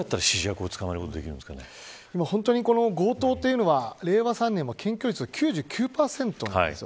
どうすれば強盗というのは令和３年は検挙率９９％です。